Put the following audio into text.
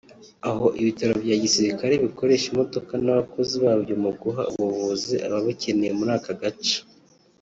aho ibitaro bya gisirikare bikoresha imodoka n’abakozi babyo mu guha ubuvuzi ababukeneye muri ako gace